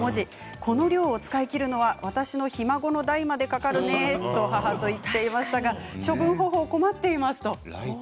この量を使い切るのは私のひ孫の代までかかるなと母と言っていましたが処分方法、困っています。